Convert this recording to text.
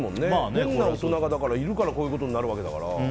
変な大人がいるからこういうことになるわけだから。